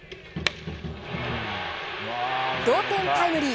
同点タイムリー。